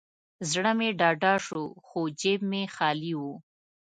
زړه مې ډاډه شو، خو جیب مې خالي و.